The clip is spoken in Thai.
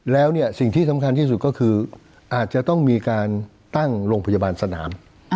แล้วเนี่ยสิ่งที่สำคัญที่สุดก็คืออาจจะต้องมีการตั้งโรงพยาบาลสนาม